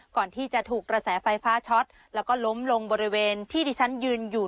ก่อนที่จะถูกกระแสไฟฟ้าช็อตแล้วก็ล้มลงบริเวณที่ที่ฉันยืนอยู่